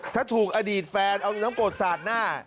ถ้าถูกอดีตแฟนเอาน้ำกรดสาดหน้า